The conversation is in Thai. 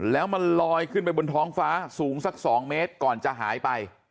แล้วมันลอยขึ้นไปบนท้องฟ้าสูงสัก๒เมตรก่อนจะหายไป